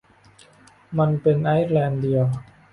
มันเป็นไอร์แลนด์เดียว